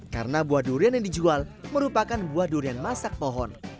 karena buah durian yang dijual merupakan buah durian masak pohon